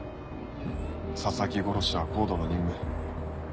佐々木殺しはＣＯＤＥの任務。